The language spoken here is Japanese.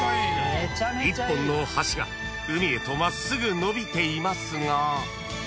［一本の橋が海へと真っすぐ延びていますが］